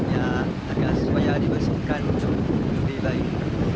ya agak supaya dibesinkan lebih baik